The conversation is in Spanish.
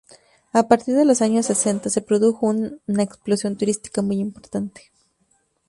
A partir de los años sesenta se produjo una explosión turística muy importante.